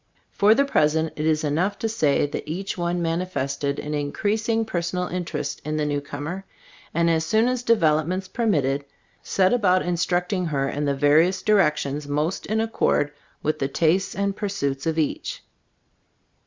For the present it is enough to say that each one manifested an in creasing personal interest in the new comer, and as soon as developments permitted, set about instructing her in the various directions most in accord with the tastes and pursuits of each.